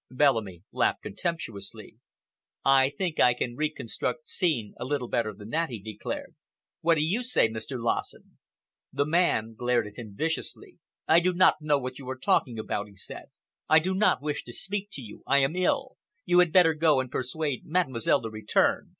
Bellamy laughed contemptuously. "I think I can reconstruct the scene a little better than that," he declared. "What do you say, Mr. Lassen?" The man glared at him viciously. "I do not know what you are talking about," he said. "I do not wish to speak to you. I am ill. You had better go and persuade Mademoiselle to return.